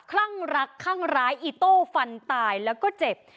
คลั่งรักคลั่งร้ายอีโต้ฟันตายแล้วก็เจ็บ